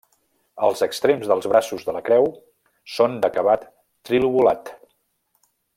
Els extrems dels braços de la creu són d'acabat trilobulat.